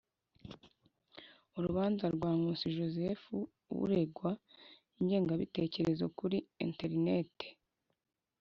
Urubanza rwa Nkusi Joseph urengwa ingengabitekerezo kuli Internet.